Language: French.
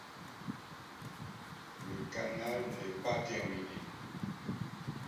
Le canal n'est pas terminé.